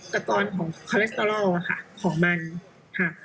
แต่ตอนของคาเลสเตอรอลอะค่ะของมันค่ะ